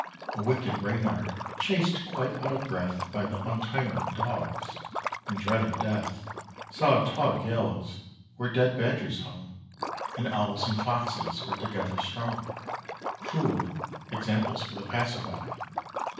A wicked Reynard, chased quite out of breath By the untiring dogs, and dreading death, Saw a tall gallows, where dead badgers hung, And owls and foxes were together strung Cruel examples for the passer by!